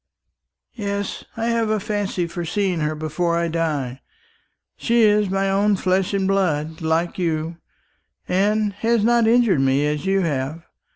"Yes, I have a fancy for seeing her before I die. She is my own flesh and blood, like you, and has not injured me as you have.